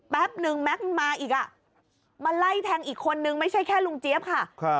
แป๊บนึงแม็กซ์มันมาอีกอ่ะมาไล่แทงอีกคนนึงไม่ใช่แค่ลุงเจี๊ยบค่ะ